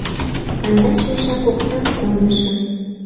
Кандаш мешак оксам кондышым